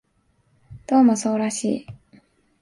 どうもそうらしい